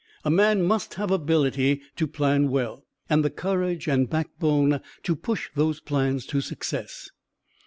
A man must have ability to plan well, and the courage and backbone to push those plans to success.